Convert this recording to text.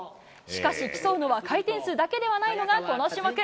しかし、競うのは回転数だけではないのが、この種目。